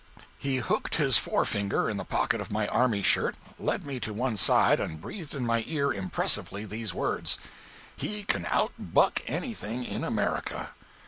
He hooked his forefinger in the pocket of my army shirt, led me to one side, and breathed in my ear impressively these words: "He can out buck anything in America!"